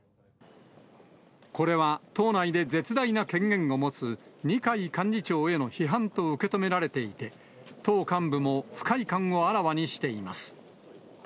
これは党内で絶大な権限を持つ二階幹事長への批判と受け止められていて、党幹部も不快感をあらわにしています。